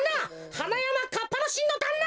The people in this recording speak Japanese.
はなやまかっぱのしんのだんな！